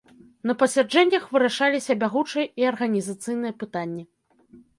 На пасяджэннях вырашаліся бягучыя і арганізацыйныя пытанні.